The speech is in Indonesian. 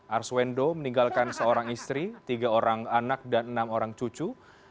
arswendo meninggalkan seorang istri tiga orang anak dan enam orang cucu